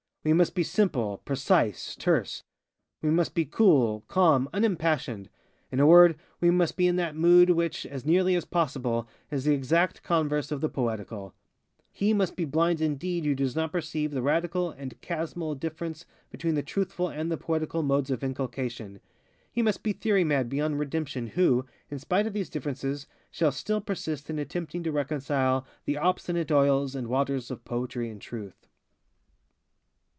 We must be simple, precise, terse. We must be cool, calm, unimpassioned. In a word, we must be in that mood which, as nearly as possible, is the exact converse of the poetical. _He _must be blind indeed who does not perceive the radical and chasmal difference between the truthful and the poetical modes of inculcation. He must be theory mad beyond redemption who, in spite of these differences, shall still persist in attempting to reconcile the obstinate oils and waters of Poetry and Truth.